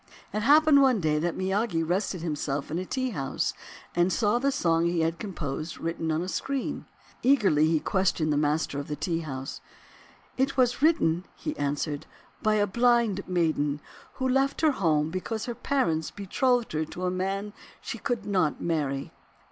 It happened one day that Miyagi rested him self in a tea house, and saw the song he had composed written on a screen. Eagerly he questioned the master of the tea house. "It was written," answered he, "by a blind maiden, who left her home because her parents betrothed her to a man she could not marry.